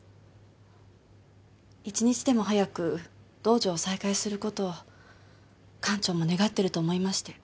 １日でも早く道場を再開する事を館長も願ってると思いまして。